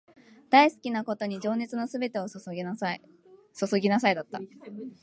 大好きなことに情熱のすべてを注ぎなさい